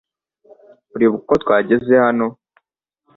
Uribuka uko twageze hano?